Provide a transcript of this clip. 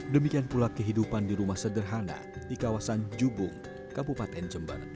demikian pula kehidupan di rumah sederhana di kawasan jubung kabupaten jember